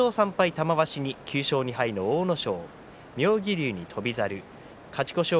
玉鷲に９勝２敗の阿武咲。